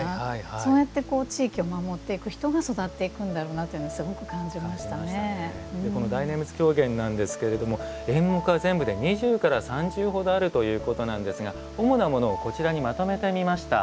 そうやって地域を守っていく人が育っていくんだろうなというのが大念仏狂言なんですけれども演目は全部で２０から３０ほどあるということなんですが主なものをこちらにまとめてみました。